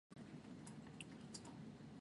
giờ tất cả chờ đợi một lúc rồi sẽ làm lại